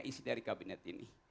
isi dari kabinet ini